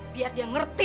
biar dia ngerti